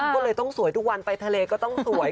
ก็เลยต้องสวยทุกวันไปทะเลก็ต้องสวย